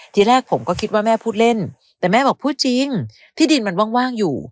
ทีแรกผมก็คิดว่าแม่พูดเล่นแต่แม่บอกพูดจริงที่ดินมันว่างอยู่